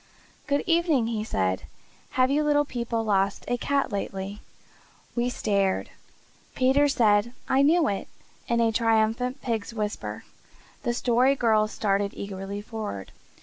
"Good evening," he said. "Have you little people lost a cat lately?" We stared. Peter said "I knew it!" in a triumphant pig's whisper. The Story Girl started eagerly forward.